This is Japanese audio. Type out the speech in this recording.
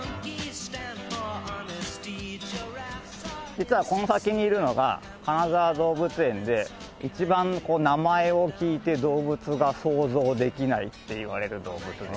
実はこの先にいるのが金沢動物園で一番名前を聞いて動物が想像できないって言われる動物です。